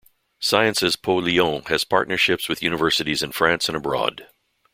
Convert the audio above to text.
Sciences Po Lyon has partnerships with universities in France and abroad.